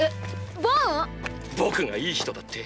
僕がいい人だって？